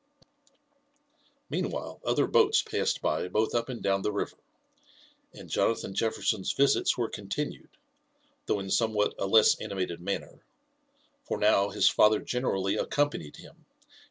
Meanwhile other boats passed by both up and down the river, and Jonathan Jefferson's visits were continued, though in somewhat a less animated manner; for now his father generally accompanied him, and